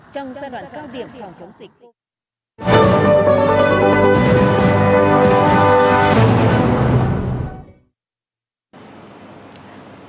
trong giai đoạn cao điểm phòng chống dịch